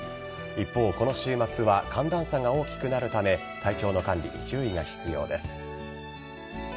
一方、この週末は寒暖差が大きくなるため体調の管理に注意が必要です。